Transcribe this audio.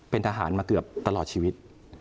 เป็นทหารมาเกือบตลอดชีวิต